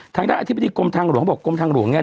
ทางด้านอธิบดีกรมทางหลวงเขาบอกกรมทางหลวงเนี่ย